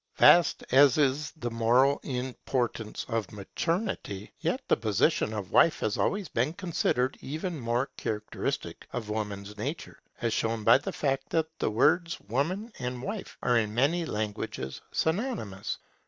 Vast as is the moral importance of maternity, yet the position of wife has always been considered even more characteristic of woman's nature; as shown by the fact that the words woman and wife are in many languages synonymous.